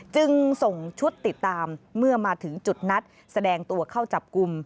จึงส่งชุดติดตามเมื่อมาถึงจุดนัดแสดงตัวเข้าจับกลุ่ม